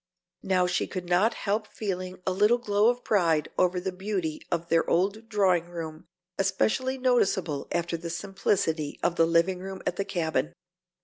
Now she could not help feeling a little glow of pride over the beauty of their old drawing room, especially noticeable after the simplicity of the living room at the cabin.